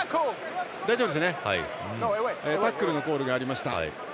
タックルのコールがありました。